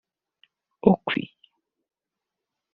Okwi